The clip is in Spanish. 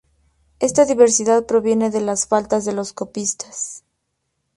Esta diversidad proviene de las faltas de los copistas.